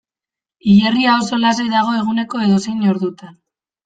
Hilerria oso lasai dago eguneko edozein ordutan.